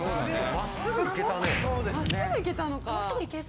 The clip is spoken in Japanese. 真っすぐ行けたのか。